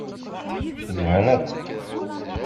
Zhan akk.